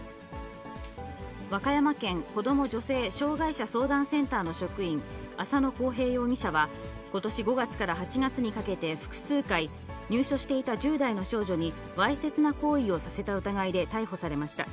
和歌山県子ども・女性・障害者相談センターの職員、浅野紘平容疑者は、ことし５月から８月にかけて複数回、入所していた１０代の少女に、わいせつな行為をさせた疑いで逮捕されました。